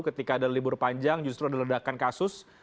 ketika ada libur panjang justru ada ledakan kasus